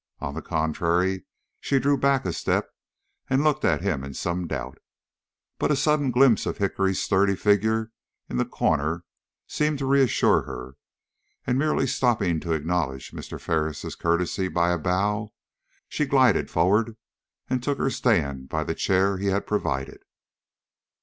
On the contrary, she drew back a step, and looked at him in some doubt, but a sudden glimpse of Hickory's sturdy figure in the corner seemed to reassure her, and merely stopping to acknowledge Mr. Ferris' courtesy by a bow, she glided forward and took her stand by the chair he had provided.